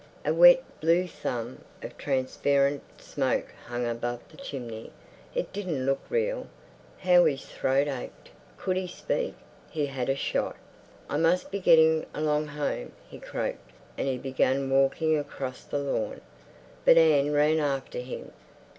A wet, blue thumb of transparent smoke hung above the chimney. It didn't look real. How his throat ached! Could he speak? He had a shot. "I must be getting along home," he croaked, and he began walking across the lawn. But Anne ran after him.